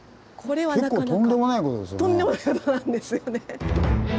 とんでもないことなんですよね。